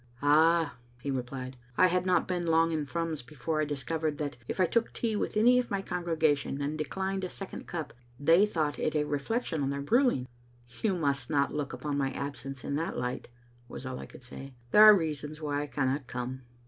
" Ah," he replied. I had not been long in Thrums before I discovered that if I took tea with any of my congregation and declined a second cup, they thought it a reflection on their brewing." "You must not look upon my absence in that light," was all I could say. " There are reasons why I cannot come."